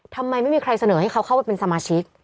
ทำไมไม่มีใครเสนอให้เขาเข้าไปเป็นสมาชิก